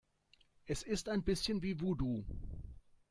Es ist ein bisschen wie Voodoo.